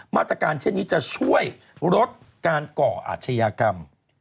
มาตรการเช่นนี้จะช่วยลดการก่ออาชญากรรม